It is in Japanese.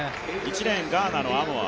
１レーン、ガーナのアモア。